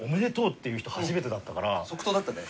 即答だったね。